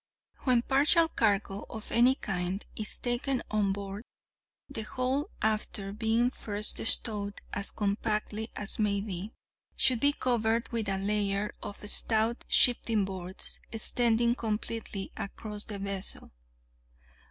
When a partial cargo of any kind is taken on board, the whole, after being first stowed as compactly as may be, should be covered with a layer of stout shifting boards, extending completely across the vessel.